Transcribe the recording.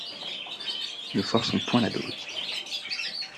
Ne forçons point la dose.